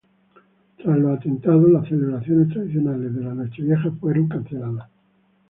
Tras los atentados, las celebraciones tradicionales de la Nochevieja fueron canceladas.